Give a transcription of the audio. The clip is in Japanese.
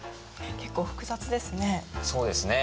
結構複雑ですね。